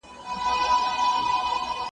د عزت لپاره له خلکو هیله مه کوه.